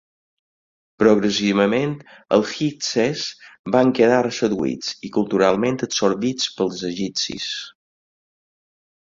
Progressivament, els hikses van quedar seduïts i culturalment absorbits pels egipcis.